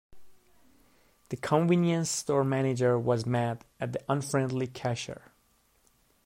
The convenience store manager was mad at the unfriendly cashier.